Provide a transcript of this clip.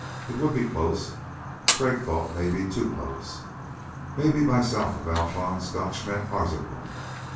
It would be close, Crag thought Maybe too close. Maybe by south of Alphons Gotch meant Arzachel.